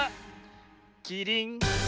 キリン！